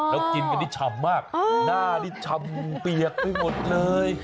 แล้วกินกันนี่ฉ่ำมากหน้านี่ฉ่ำเปียกไปหมดเลย